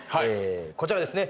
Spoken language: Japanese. こちらですね。